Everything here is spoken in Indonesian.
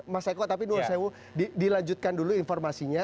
mas eko tapi dulu saya mau dilanjutkan dulu informasinya